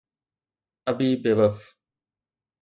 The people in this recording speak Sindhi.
ابي بيوف